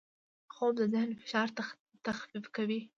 خوب د ذهن فشار تخفیف کوي